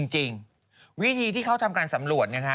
จริงวิธีที่เขาทำการสำรวจ